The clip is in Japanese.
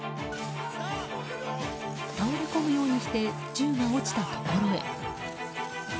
倒れ込むようにして銃が落ちたところへ。